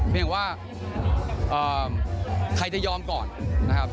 เห็นไหมบอกแล้วว่าให้ผลัดกัน